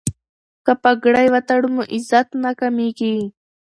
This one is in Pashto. که پګړۍ وتړو نو عزت نه کمیږي.